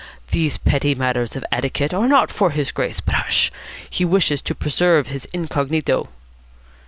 "These petty matters of etiquette are not for his Grace but, hush, he wishes to preserve his incognito."